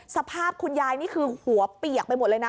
สภาพคุณยายนี่คือหัวเปียกไปหมดเลยนะ